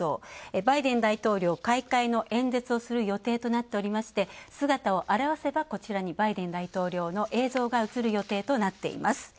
バイデン大統領、開会の演説をする予定となっておりまして、姿を現せば、こちらにバイデン大統領の映像が映る予定となっています。